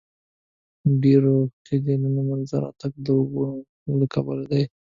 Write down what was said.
د ډیرو خلیجونو منځته راتګ د اوبو ننوتلو له کبله دی.